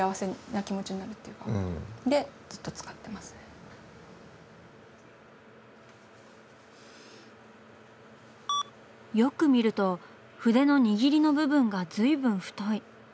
こうよく見ると筆の握りの部分がずいぶん太い。